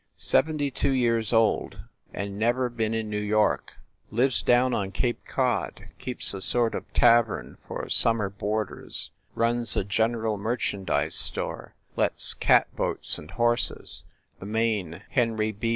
Seventy two years old, and never been in New York. Lives down on Cape Cod. Keeps a sort of tavern for summer boarders, runs a general mer chandise store, lets cat boats and horses, the main Henry B.